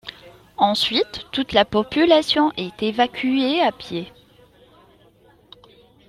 Ensuite toute la population est évacuée à pied.